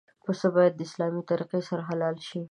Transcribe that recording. پسه باید د اسلامي طریقې سره حلال شي.